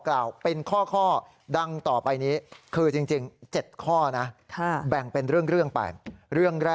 ของประเทศ